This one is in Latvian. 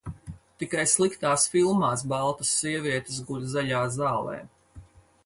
Tikai sliktās filmās baltas sievietes guļ zaļā zālē.